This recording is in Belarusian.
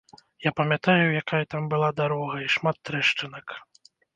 Я памятаю, якая там была дарога, і шмат трэшчынак.